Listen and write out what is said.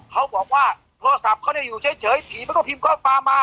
เขาบอกว่าโทรศัพท์เขาได้อยู่เฉยผีมันก็พิมพ์ข้อความมา